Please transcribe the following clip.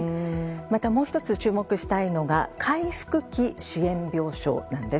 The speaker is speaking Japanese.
また、もう１つ注目したいのが回復期支援病床です。